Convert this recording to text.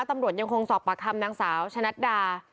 ตำรวจยังคงสอบปากคำนางสาวชะนัดดา